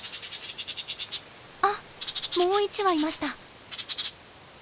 あっもう１羽いました。